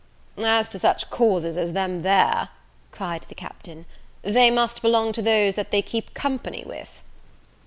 "As to such causes as them there," cried the Captain, "they must belong to those that they keep company with."